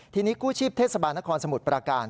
ทีนี้กู้ชีพเทศบาลนครสมุทรประการ